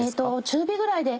中火ぐらいで。